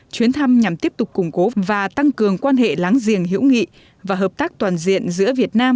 chuyến thăm nhằm tiếp tục củng cố và tăng cường quan hệ láng giềng hữu nghị và hợp tác toàn diện giữa việt nam